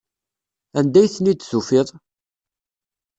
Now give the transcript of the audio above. Anda ay ten-id-tufiḍ?